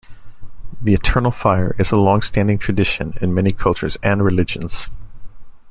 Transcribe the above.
The eternal fire is a long-standing tradition in many cultures and religions.